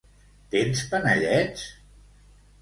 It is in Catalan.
Tens panellets?